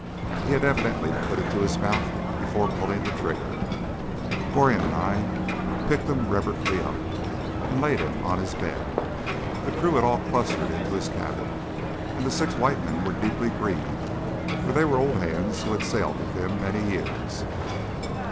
He had evidently put it to his mouth before pulling the trigger. Goring and I picked him reverently up and laid him on his bed. The crew had all clustered into his cabin, and the six white men were deeply grieved, for they were old hands who had sailed with him many years.